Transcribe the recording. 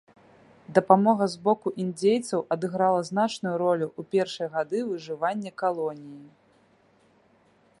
Дапамога з боку індзейцаў адыграла значную ролю ў першыя гады выжывання калоніі.